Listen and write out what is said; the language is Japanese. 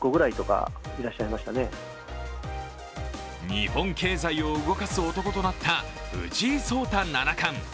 日本経済を動かす男となった藤井聡太七冠。